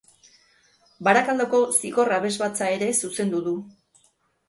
Barakaldoko Zigor Abesbatza ere zuzendu du.